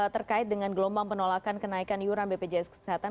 terkait dengan gelombang penolakan kenaikan iuran bpjs kesehatan